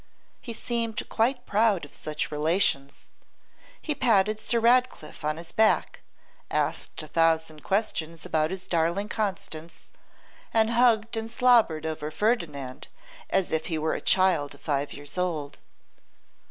He seemed quite proud of such relations; he patted Sir Ratcliffe on his back, asked a thousand questions about his darling Constance, and hugged and slobbered over Ferdinand as if he were a child of five years old.